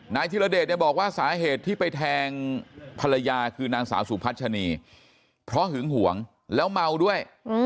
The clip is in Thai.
ธิรเดชเนี่ยบอกว่าสาเหตุที่ไปแทงภรรยาคือนางสาวสุพัชนีเพราะหึงห่วงแล้วเมาด้วย